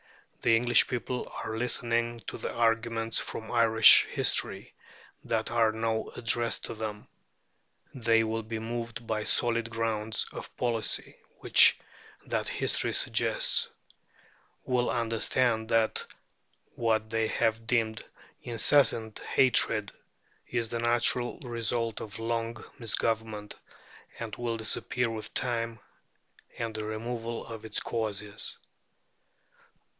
The English people are listening to the arguments from Irish history that are now addressed to them. They will be moved by the solid grounds of policy which that history suggests; will understand that what they have deemed insensate hatred is the natural result of long misgovernment, and will disappear with time and the removal of its causes.